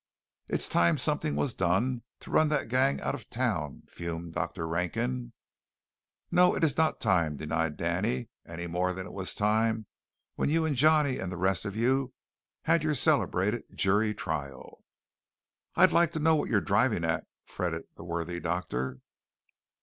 "It's time something was done to run that gang out of town," fumed Dr. Rankin. "No; it is not time," denied Danny, "any more than it was time when you and Johnny and the rest of you had your celebrated jury trial." "I'd like to know what you are driving at!" fretted the worthy doctor.